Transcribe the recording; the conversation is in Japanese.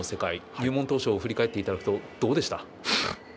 入門当初を振り返っていただくとどうでした？